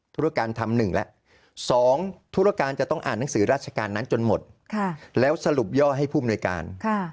ธุรการทำ๑แล้ว๒ธุรการจะต้องอ่านหนังสือราชการนั้นจนหมดแล้วสรุปย่อให้ผู้อำนวยการ